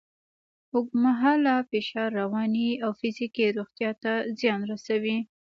اوږدمهاله فشار رواني او فزیکي روغتیا ته زیان رسوي.